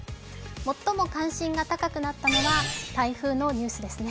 最も関心が高くなったのは台風のニュースですね。